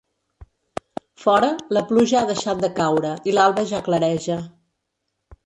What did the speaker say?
Fora, la pluja ha deixat de caure i l'alba ja clareja.